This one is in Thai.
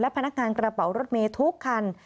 พนักงานกระเป๋ารถเมย์ทุกคัน